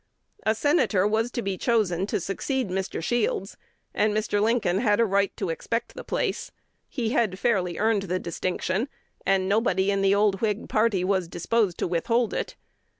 A Senator was to be chosen to succeed Mr. Shields; and Mr. Lincoln had a right to expect the place. He had fairly earned the distinction, and nobody in the old Whig party was disposed to withhold it.